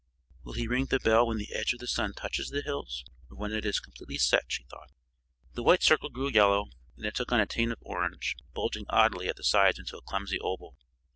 "Will he ring the bell when the edge of the sun touches the hills or when it is completely set?" she thought. The white circle grew yellow; then it took on a taint of orange, bulging oddly at the sides into a clumsy oval.